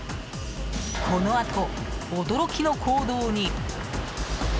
このあと、驚きの行動に。